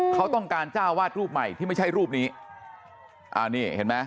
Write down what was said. เขาต้องการจ้าวาดรูปใหม่ที่ไม่ใช่รูปนี้